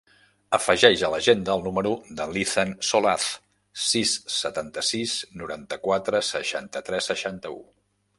Afegeix a l'agenda el número de l'Ethan Solaz: sis, setanta-sis, noranta-quatre, seixanta-tres, seixanta-u.